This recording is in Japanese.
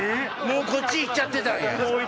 もうこっち行っちゃってたんや。